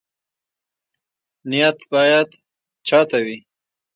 نیت باید چا ته وي؟